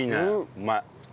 うまい。